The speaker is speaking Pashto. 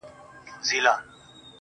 خود به يې اغزی پرهر، پرهر جوړ کړي.